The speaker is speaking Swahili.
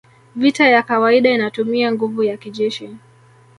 Vita ya kawaida inatumia nguvu ya kijeshi